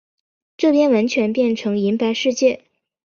这边完全变成银白世界